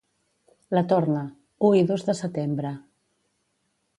La torna: u i dos de setembre.